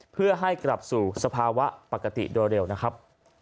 เพื่อให้กลับสู่สภาวะปกติโดยเร็วนะครับ